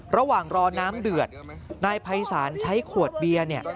ระหว่างรอน้ำเดือดนายภัยศาลใช้ขวดเบียร์เนี่ย